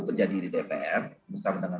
terjadi di dpr bersama dengan